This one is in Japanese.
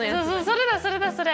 それだそれだそれ！